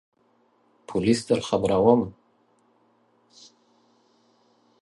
پولیس درخبروم !